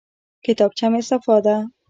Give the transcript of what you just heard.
کتابچه مې صفا ده.